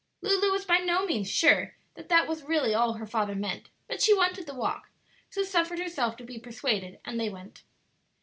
Lulu was by no means sure that that was really all her father meant, but she wanted the walk, so suffered herself to be persuaded, and they went.